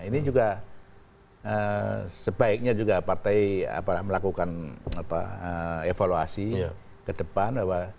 ini juga sebaiknya juga partai melakukan evaluasi ke depan